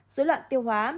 dối loạn tiêu hóa